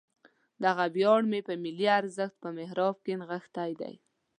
دغه ویاړ مې په ملي ارزښت په محراب کې نغښتی دی.